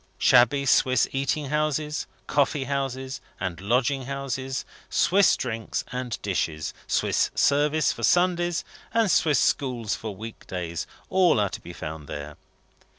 Shabby Swiss eating houses, coffee houses, and lodging houses, Swiss drinks and dishes, Swiss service for Sundays, and Swiss schools for week days, are all to be found there.